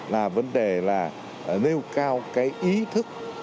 là vấn đề là nêu cao cái ý thức